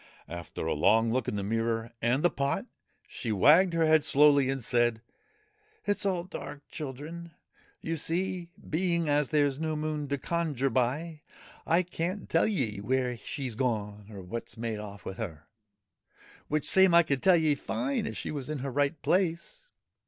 After a long look in the mirror and the pot, she wagged her head slowly and said, ' It 's all dark, children. You see, being as there's no Moon to conjure by, I can't tell ye where she 's gone or what 's made off with her which same I could tell ye fine if she was in her right place.